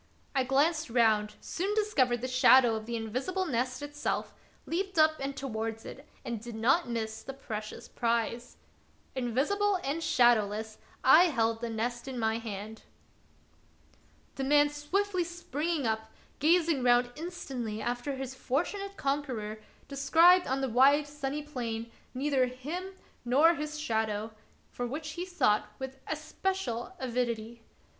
I glanced round, soon discovered the shadow of the invisible nest itself, leaped up and towards it, and did not miss the precious prize. Invisible and shadowless, I held the nest in my hand. The man swiftly springing up, gazing round instantly after his fortunate conqueror, descried " on the wide sunny plain neither him nor his shadow, for which he sought with especial avidity.